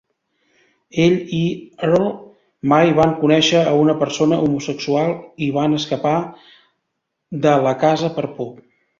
Ell i Earl mai van conèixer a una persona homosexual i van escapar de la casa per por.